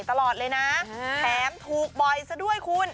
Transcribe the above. ตลอดเลยนะแถมถูกบ่อยซะด้วยคุณ